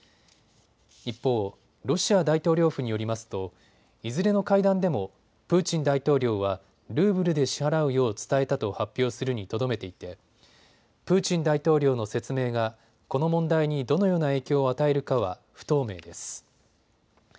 一方、ロシア大統領府によりますといずれの会談でもプーチン大統領はルーブルで支払うよう伝えたと発表するにとどめていてプーチン大統領の説明がこの問題にどのような影響を与えるかは不透明です。